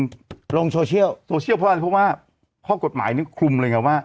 เอาไปลงลงโซเชียลโซเชียลเพราะว่าเพราะว่าข้อกฎหมายนึงคุมเลยไงว่า